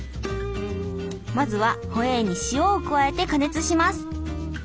まずはホエーに塩を加えて加熱します。